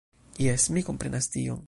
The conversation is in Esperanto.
Jes, mi komprenas tion.